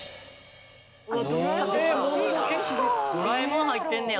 『ドラえもん』入ってんのや。